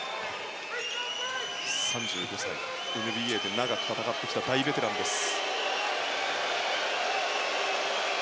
３５歳、ＮＢＡで長く戦ってきた大ベテランです。